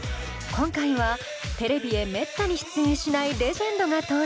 今回はテレビへめったに出演しないレジェンドが登場。